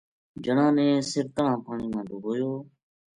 جنا نے سِر تہنا پانی ما ڈبویو